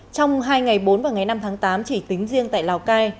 trong hai ngày bốn và ngày năm tháng tám chỉ tính riêng tại lào cai